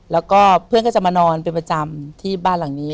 แล้วก็เพื่อนก็จะมานอนเป็นประจำที่บ้านหลังนี้